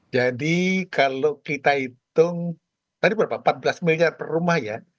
jadi kalau kita hitung tadi berapa empat belas miliar per rumah ya